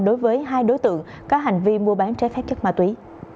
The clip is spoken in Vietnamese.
đối với hai đối tượng có hành vi mua bán trái phép chất ma túy